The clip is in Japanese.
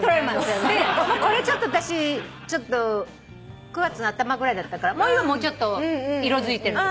これちょっと私９月の頭ぐらいだったから今もうちょっと色づいてると。